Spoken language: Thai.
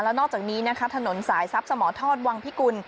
และนอกจากนี้ถนนสายทรัพย์สมทรวงพิกุล